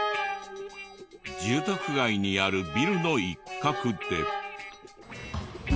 住宅街にあるビルの一角で。